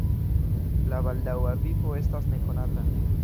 La baldaŭa vivo estas nekonata.